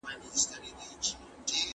د یو پرمختللي افغانستان په هیله.